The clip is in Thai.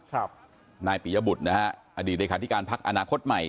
ครับนายปิยบุตรนะฮะอดีตเลขาธิการพักอนาคตใหม่